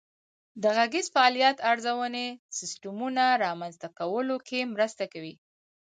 د غږیز فعالیت ارزونې سیسټمونه رامنځته کولو کې مرسته کوي.